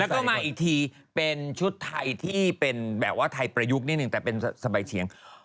แล้วก็มาอีกทีเป็นชุดไทยที่เป็นแบบว่าไทยประยุกต์นิดนึงแต่เป็นสบายเฉียง